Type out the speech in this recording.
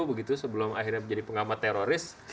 begitu sebelum akhirnya menjadi pengamat teroris